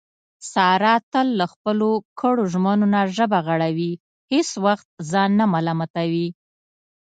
ساره تل له خپلو کړو ژمنو نه ژبه غړوي، هېڅ وخت ځان نه ملامتوي.